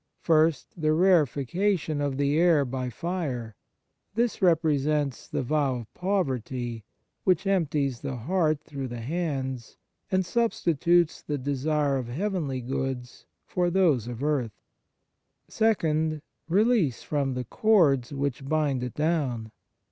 First, the rarefaction of the air 80 Conclusion by fire. This represents the vow of poverty, which empties the heart through the hands, and substitutes the desire of heavenly goods for those of earth. Second, release from the cords which bind it down.